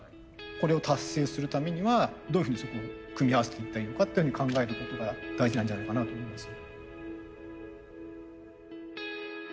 これを達成するためにはどういうふうにそこを組み合わせていったらいいのかっていうふうに考えることが大事なんじゃないかなと思います。